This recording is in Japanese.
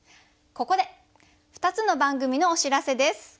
ここで２つの番組のお知らせです。